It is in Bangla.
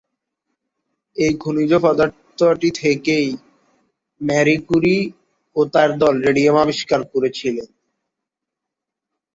এই খনিজ পদার্থটি থেকেই মারি ক্যুরি ও তার দল রেডিয়াম আবিষ্কার করেছিলেন।